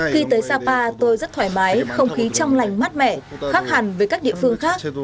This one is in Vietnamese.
khi tới sapa tôi rất thoải mái không khí trong lành mát mẻ khác hẳn với các địa phương khác